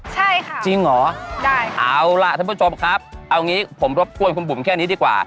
ใช่ค่ะได้ค่ะจริงเหรอเอาล่ะท่านผู้ชมครับเอาอย่างนี้ผมรบกวนคุณบุ๋มแค่นี้ดีกว่า